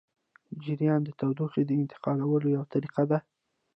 جریان د تودوخې د انتقالولو یوه طریقه ده.